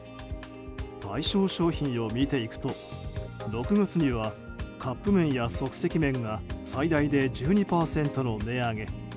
対象商品を見ていくと６月にはカップ麺や即席麺が最大で１２％の値上げ。